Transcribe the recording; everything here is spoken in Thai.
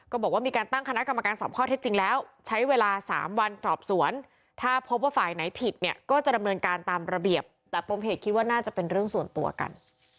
ก็บอกว่ามีการตั้งคณะกรรมการสอบข้อเท็จจริงแล้วใช้เวลา๓วันสอบสวนถ้าพบว่าฝ่ายไหนผิดเนี่ยก็จะดำเนินการตามระเบียบแต่ปมเหตุคิดว่าน่าจะเป็นเรื่องส่วนตัวกัน